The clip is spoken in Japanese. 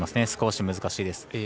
少し難しいです。